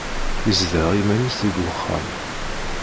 Yezdeɣ iman-is deg uxxam.